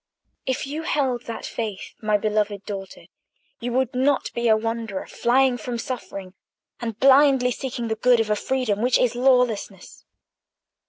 If you held that faith, my beloved daughter, you would not be a wanderer flying from suffering, and blindly seeking the good of a freedom which is lawlessness.